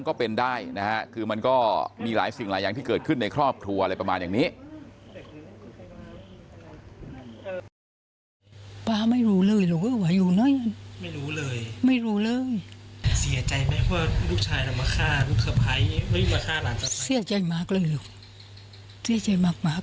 ก็เป็นได้นะฮะคือมันก็มีหลายสิ่งหลายอย่างที่เกิดขึ้นในครอบครัวอะไรประมาณอย่างนี้